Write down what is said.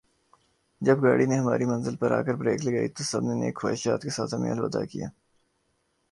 جب گاڑی نے ہماری منزل پر آ کر بریک لگائی تو سب نے نیک خواہشات کے ساتھ ہمیں الوداع کیا